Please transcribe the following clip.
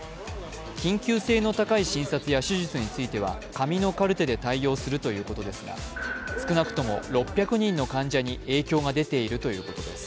緊急性の高い診察や手術については紙のカルテで対応するということですが、少なくとも６００人の患者に影響が出ているということです。